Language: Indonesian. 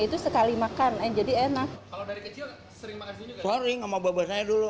itu sekali makan aja di enak kalau dari kecil sering makan sehingga saling sama babasnya dulu